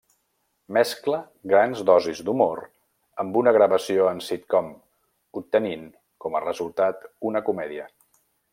Mescla grans dosis d’humor amb una gravació en sitcom, obtenint com a resultat una comèdia.